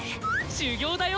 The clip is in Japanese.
修業だよ！